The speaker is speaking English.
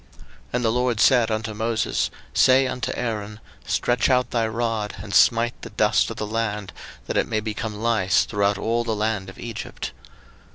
02:008:016 And the LORD said unto Moses, Say unto Aaron, Stretch out thy rod, and smite the dust of the land, that it may become lice throughout all the land of Egypt.